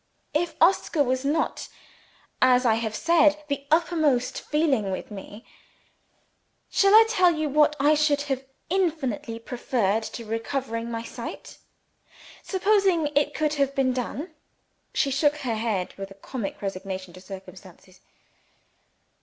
If Oscar was not, as I have said, the uppermost feeling with me, shall I tell you what I should have infinitely preferred to recovering my sight supposing it could have been done?" She shook her head with a comic resignation to circumstances.